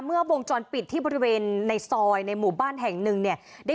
เมื่อวงจรปิดที่บริเวณในซอยในหมู่บ้านแห่ง๑เนี่ย